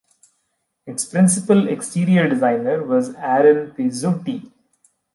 Its principal exterior designer was Aaron Pizzuti.